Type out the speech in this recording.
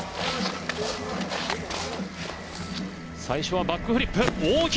最初はバックフリップ。